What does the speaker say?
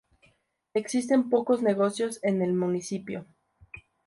Existen pocos negocios en el municipio.